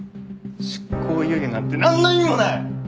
執行猶予なんてなんの意味もない！